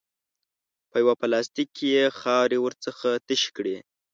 په یوه پلاستیک کې یې خاورې ورڅخه تشې کړې.